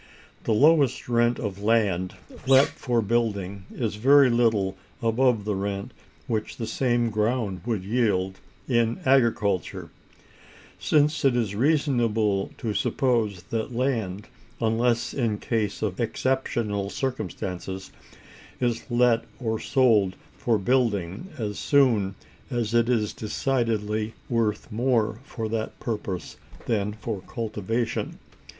The lowest rent of land let for building is very little above the rent which the same ground would yield in agriculture: since it is reasonable to suppose that land, unless in case of exceptional circumstances, is let or sold for building as soon as it is decidedly worth more for that purpose than for cultivation.